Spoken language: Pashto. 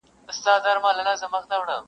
چي په خیال کي سوداګر د سمرقند وو -